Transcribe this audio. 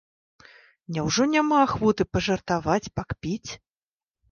Няўжо няма ахвоты пажартаваць, пакпіць?